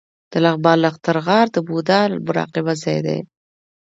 د لغمان نښتر غار د بودا مراقبه ځای دی